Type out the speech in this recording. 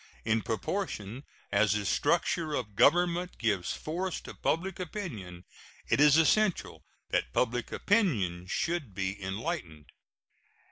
In proportion as the structure of a government gives force to public opinion, it is essential that public opinion should be enlightened.